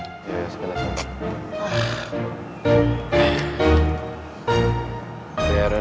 iya sekedar sana